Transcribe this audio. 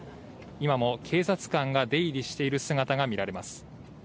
今も警察官が出入りしている姿が見られます。